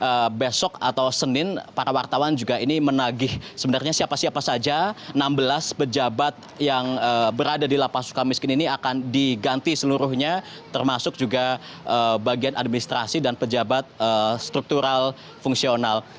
kemudian besok atau senin para wartawan juga ini menagih sebenarnya siapa siapa saja enam belas pejabat yang berada di lapas suka miskin ini akan diganti seluruhnya termasuk juga bagian administrasi dan pejabat struktural fungsional